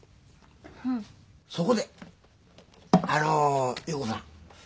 そこであのう優子さん。